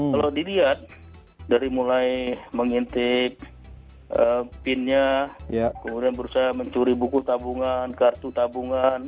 kalau dilihat dari mulai mengintip pinnya kemudian berusaha mencuri buku tabungan kartu tabungan